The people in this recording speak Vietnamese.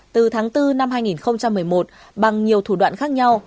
từ tháng bốn năm hai nghìn một mươi một bằng nhiều thủ đoạn khác nhau